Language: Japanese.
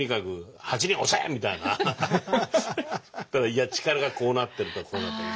「いや力がこうなってるからこうなってる」